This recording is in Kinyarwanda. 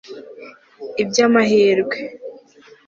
iby' amahirwe